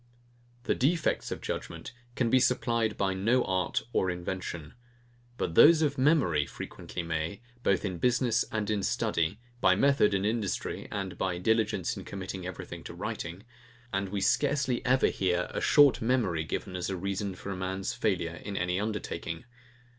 The defects of judgement can be supplied by no art or invention; but those of memory frequently may, both in business and in study, by method and industry, and by diligence in committing everything to writing; and we scarcely ever hear a short memory given as a reason for a man's failure in any undertaking.